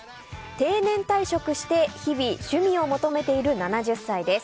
定年退職して日々趣味を求めている７０歳です。